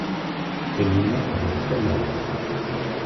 Taninna tger tamawt.